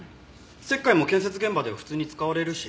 石灰も建設現場では普通に使われるし。